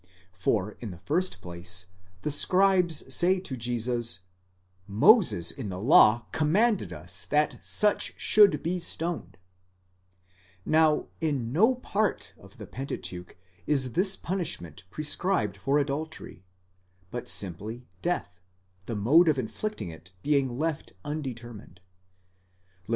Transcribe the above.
For in the first place, the scribes say to Jesus: Moses in the law commanded us that such should be stoned: now in no part of the Pentateuch is this punishment prescribed for adultery, but simply death, the mode of inflicting it being left undetermined (Lev.